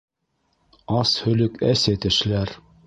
Ас һөлөк әсе тешләр.